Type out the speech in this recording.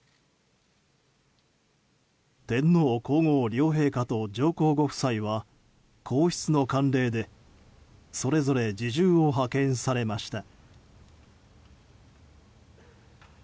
天皇・皇后両陛下と上皇ご夫妻は皇室の慣例でそれぞれ侍従を派遣されました。